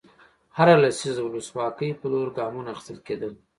هره لسیزه د ولسواکۍ په لور ګامونه اخیستل کېدل.